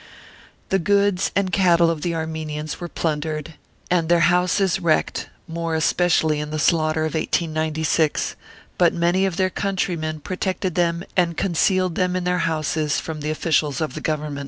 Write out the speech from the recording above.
The goods and cattle of the Armenians were plundered, and their houses wrecked, more espe cially in the slaughter of 1896, but many of their countrymen* protected them and concealed them in their houses from the officials of the Govern ment.